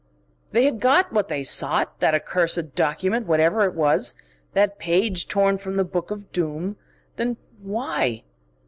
They had got what they sought, that accursed document, whatever it was, that page torn from the Book of Doom. Then why...?